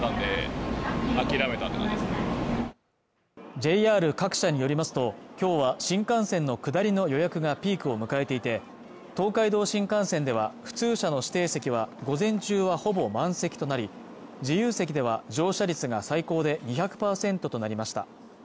ＪＲ各社によりますときょうは新幹線の下りの予約がピークを迎えていて東海道新幹線では普通車の指定席は午前中はほぼ満席となり自由席では乗車率が最高で２００％となりました